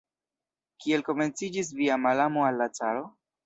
Kiel komenciĝis via malamo al la caro?